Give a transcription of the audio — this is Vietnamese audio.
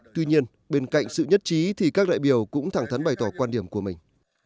tuy nhiên bên cạnh sự nhất trí thì các đại biểu cũng thẳng thắn bày tỏ quan điểm của mình